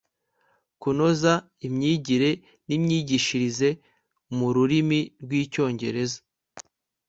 kunoza imyigire n'imyigishirize mu rurimi rw'icyongereza